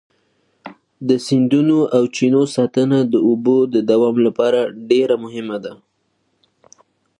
د سیندونو او چینو ساتنه د اوبو د دوام لپاره ډېره مهمه ده.